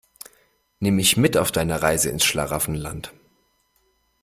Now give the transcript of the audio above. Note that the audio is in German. Nimm mich mit auf deine Reise ins Schlaraffenland.